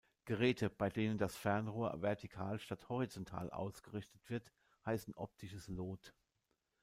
Geräte, bei denen das Fernrohr vertikal statt horizontal ausgerichtet wird, heißen optisches Lot.